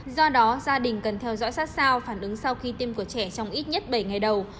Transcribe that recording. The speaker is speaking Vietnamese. do đó gia đình cần theo dõi sát sao phản ứng sau khi tiêm của trẻ trong ít nhất bảy ngày đầu